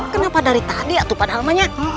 kenapa dari tadi pak dalamanya